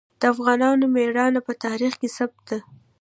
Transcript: د افغانانو ميړانه په تاریخ کې ثبت ده.